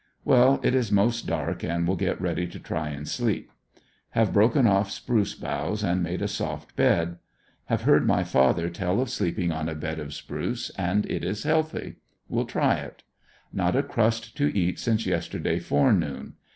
Well, it is most dark and will get ready to try and sleep. Have broken off spruce boughs and made a soft bed. Have heard my father tell of sleeping on a bed of spruce, and it is healthy. Will try it. Not a crust to eat since yesterday fore noon.